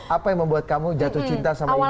apa yang membuat kamu jatuh cinta sama ibu